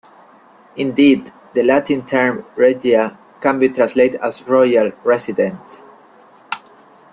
Indeed, the Latin term "regia" can be translated as "royal residence".